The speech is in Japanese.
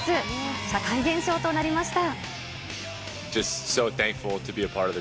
社会現象となりました。